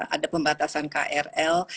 ada pembatasan krl